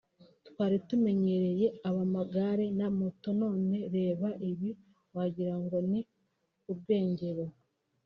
twari tumenyereye ab’amagare na moto none reba ibi wagira ngo ni urwengero